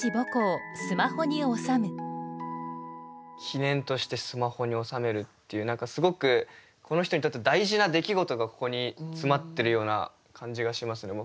記念としてスマホに収めるっていう何かすごくこの人にとって大事な出来事がここに詰まってるような感じがしますね